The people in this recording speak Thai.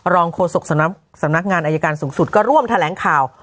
โฆษกสำนักงานอายการสูงสุดก็ร่วมแถลงข่าว